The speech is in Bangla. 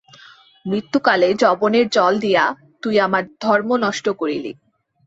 মৃত্যুকালে যবনের জল দিয়া তুই আমার ধর্ম নষ্ট করিলি।